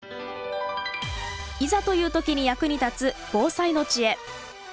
いざという時に役に立つ防災の知恵。